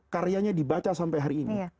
karyanya dibaca sampai hari ini